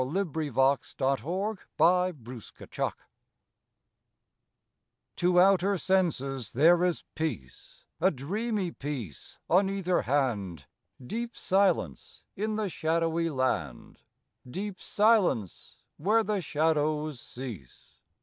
fi4S] II LA FUITE DE LA LUNE TO outer senses there is peace, A dreamy peace on either hand, Deep silence in the shadowy land, Deep silence where the shadows cease.